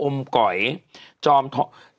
ก๋อยจอมทอง